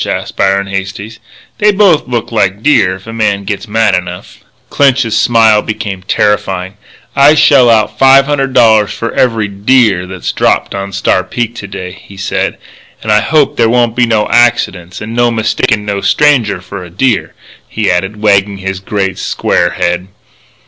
asked Byron Hastings. "They both look like deer if a man gits mad enough." Clinch's smile became terrifying. "I shell out five hundred dollars for every deer that's dropped on Star Peak to day," he said. "And I hope there won't be no accidents and no mistakin' no stranger for a deer," he added, wagging his great, square head.